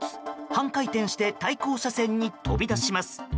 半回転して対向車線に飛び出します。